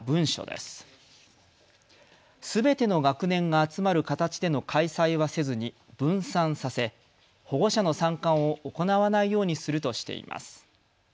すべての学年が集まる形での開催はせずに分散させ保護者の参観を行わないようにするとしています。